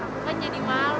aku kan jadi malu